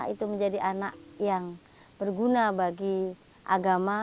itu menjadi anak yang berguna bagi agama